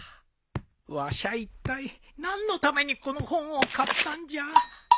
わしゃいったい何のためにこの本を買ったんじゃ。